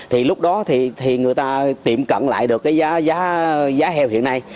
thì lúc đó thì người ta tiệm cận lại được cái giá heo hiện nay